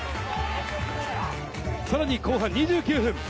さらに後半２９分。